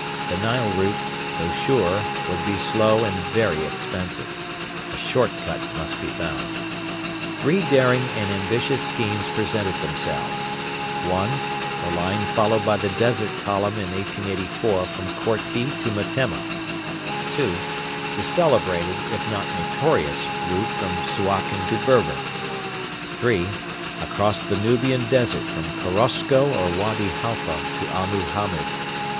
The Nile route, though sure, would be slow and very expensive. A short cut must be found. Three daring and ambitious schemes presented themselves: (1) the line followed by the Desert Column in 1884 from Korti to Metemma; (2) the celebrated, if not notorious, route from Suakin to Berber; (3) across the Nubian desert from Korosko or Wady Halfa to Abu Hamed.